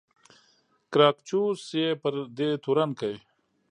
ګراکچوس یې پر دې تورن کړ.